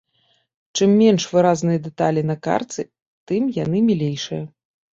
Чым менш выразныя дэталі на картцы, тым яны мілейшыя.